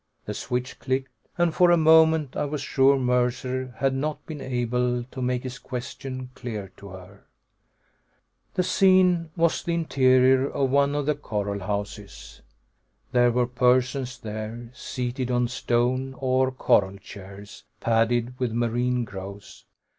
The switch clicked, and for a moment I was sure Mercer had not been able to make his question clear to her. The scene was the interior of one of the coral houses. There were persons there, seated on stone or coral chairs, padded with marine growths.